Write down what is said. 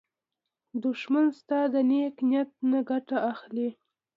دښمن ستا د نېک نیت نه ګټه اخلي